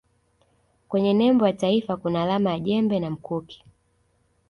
kwenye nembo ya taifa kuna alama ya jembe na mkuki